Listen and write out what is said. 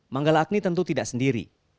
manggala agni tentu tidak sendiri